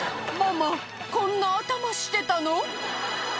「ママこんな頭してたの？」